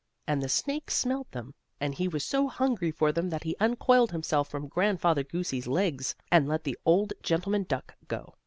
And the snake smelled them, and he was so hungry for them that he uncoiled himself from Grandfather Goosey's legs, and let the old gentleman duck go.